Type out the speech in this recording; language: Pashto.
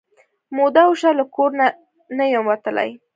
موده وشوه له کور نه یم وتلې